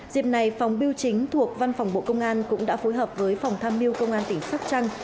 dịp này phòng biêu chính thuộc văn phòng bộ công an cũng đã phối hợp với phòng tham mưu công an tỉnh sóc trăng